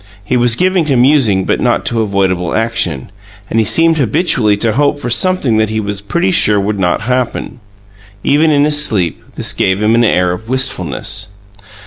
He was given to musing but not to avoidable action, and he seemed habitually to hope for something that he was pretty sure would not happen. Even in his sleep, this gave him an air of wistfulness.